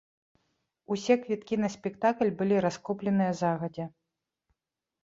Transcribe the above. Усе квіткі на спектакль былі раскупленыя загадзя.